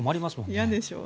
嫌でしょ？